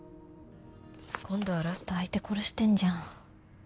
今度はラスト相手殺してんじゃん。